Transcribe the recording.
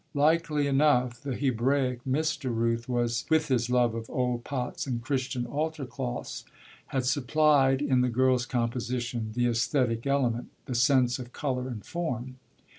Likely enough the Hebraic Mr. Rooth, with his love of old pots and Christian altar cloths, had supplied in the girl's composition the esthetic element, the sense of colour and form.